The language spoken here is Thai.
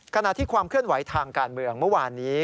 ขณะที่ความเคลื่อนไหวทางการเมืองเมื่อวานนี้